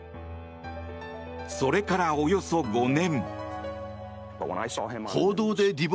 それから、およそ５年。